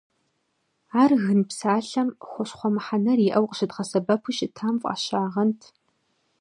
Ар «гын» псалъэм «хущхъуэ» мыхьэнэр иӏэу къыщыдгъэсэбэпу щытам фӏащагъэнт.